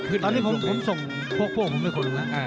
ตอนนี้ผมส่งพวกผมไม่ควรรู้นะ